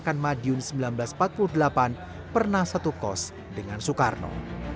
bahkan madiun seribu sembilan ratus empat puluh delapan pernah satu kos dengan soekarno